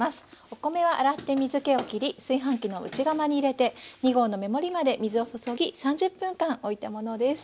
お米は洗って水けをきり炊飯器の内釜に入れて２合の目盛りまで水を注ぎ３０分間おいたものです。